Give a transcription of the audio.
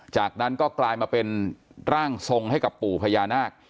จากนั้นก็กลายมาเป็นร่างทรงให้กับปู่พญานาค